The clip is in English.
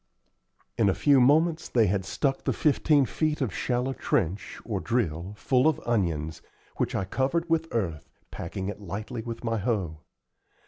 In a few moments they had stuck the fifteen feet of shallow trench, or drill, full of onions, which I covered with earth, packing it lightly with my hoe.